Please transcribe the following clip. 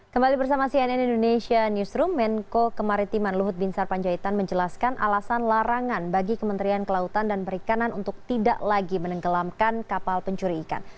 kembali bersama cnn indonesia newsroom menko kemaritiman luhut bin sarpanjaitan menjelaskan alasan larangan bagi kementerian kelautan dan perikanan untuk tidak lagi menenggelamkan kapal pencuri ikan